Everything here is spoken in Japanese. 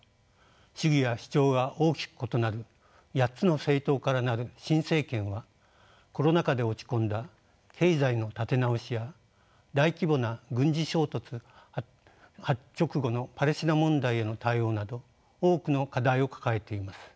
主義や主張が大きく異なる８つの政党から成る新政権はコロナ禍で落ち込んだ経済の立て直しや大規模な軍事衝突直後のパレスチナ問題への対応など多くの課題を抱えています。